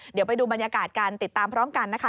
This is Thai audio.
เดี๋ยวไปดูบรรยากาศการติดตามพร้อมกันนะคะ